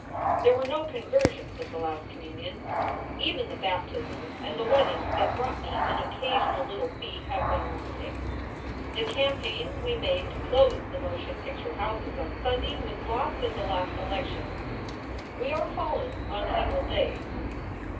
There were no conversions at the last communion. Even the baptisms and the weddings that brought me an occasional little fee have been wanting. The campaign we made to close the motion picture houses on Sunday was lost at the last election. We are fallen on evil days.